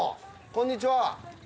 こんにちは。